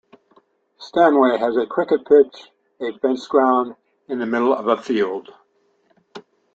Stanway has a cricket pitch, a fenced ground, in the middle of a field.